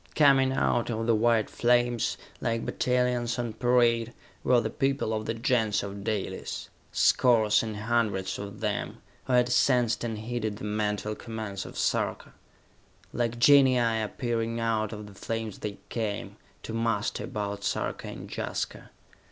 Coming out of the white flames, like battalions on parade, were the people of the Gens of Dalis scores and hundreds of them, who had sensed and heeded the mental commands of Sarka. Like genii appearing out of the flames they came, to muster about Sarka and Jaska.